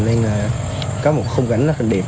nên là có một khung cảnh rất là đẹp